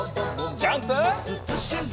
ジャンプ！